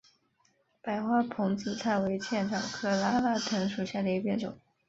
白花蓬子菜为茜草科拉拉藤属下的一个变种。